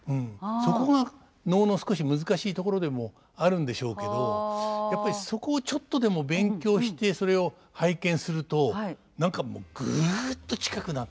そこが能の少し難しいところでもあるんでしょうけどやっぱりそこをちょっとでも勉強してそれを拝見すると何かもうぐっと近くなって。